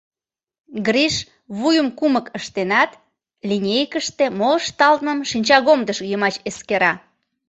Гриш вуйым кумык ыштенат, линейкыште мо ышталтмым шинчагомдыш йымач эскера.